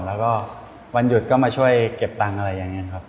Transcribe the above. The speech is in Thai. แล้วก็วันหยุดก็มาช่วยเก็บตังค์อะไรอย่างนี้ครับ